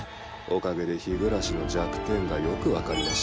おかげで日暮の弱点がよく分かりました。